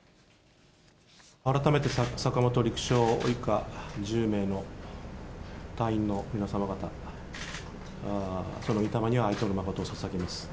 改めて坂本陸将以下１０名の隊員の皆様方、そのみ霊に哀悼の誠をささげます。